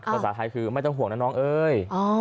ภาษาไทยคือไม่ต้องห่วงนะน้องเอ้ย